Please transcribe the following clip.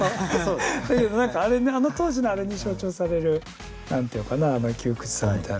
だけどあの当時のあれに象徴される何て言うかなあの窮屈さみたいな。